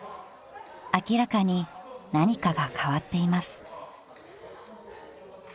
［明らかに何かが変わっています］